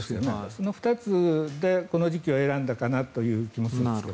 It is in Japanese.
その２つでこの時期を選んだかなという気もします。